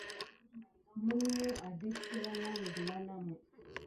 Mulmu adek sə walanŋ gkla namə.